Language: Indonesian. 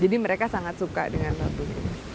jadi mereka sangat suka dengan album ini